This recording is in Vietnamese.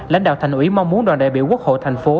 lãnh đạo thành ủy mong muốn đoàn đại biểu quốc hội thành phố